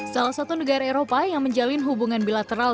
salah satu negara eropa yang menjalin hubungan bilateral